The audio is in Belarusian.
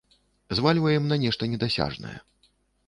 Звальваем на нешта недасяжнае.